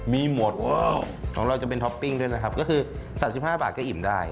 มีหมดของเราจะเป็นท็อปปิ้งด้วยนะครับก็คือ๓๕บาทก็อิ่มได้